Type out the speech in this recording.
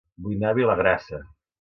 Vull anar a Vilagrassa